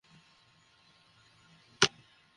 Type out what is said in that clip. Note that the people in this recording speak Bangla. ভালো করে বাঁধোনি, তাই না?